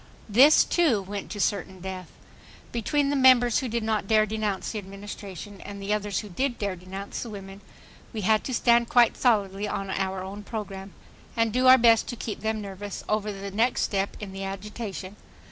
This, too, went to certain death. Between the members who did not dare denounce the Administration and the others who did dare denounce the women, we had to stand quite solidly on our own program, and do our best to keep them nervous over the next step in the agitation. See Appendix 3 for full text of resolution.